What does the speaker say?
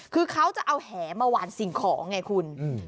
คือเขาจะเอาแหมาหวานสิ่งของไงคุณ